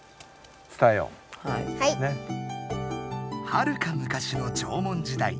はるか昔の縄文時代。